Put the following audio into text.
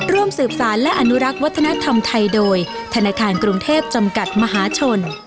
ร่วมสืบสารและอนุรักษ์วัฒนธรรมไทยโดยธนาคารกรุงเทพจำกัดมหาชน